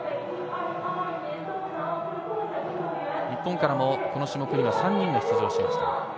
日本からもこの種目には３人が出場しました。